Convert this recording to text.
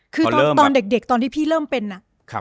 คือตอนเด็กตอนที่พี่เริ่มเป็นอะ